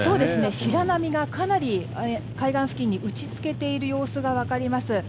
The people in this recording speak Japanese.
白波がかなり海岸付近に打ち付けている様子が分かります。